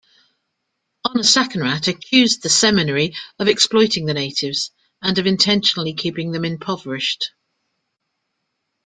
Onasakenrat accused the seminary of exploiting the natives and of intentionally keeping them impoverished.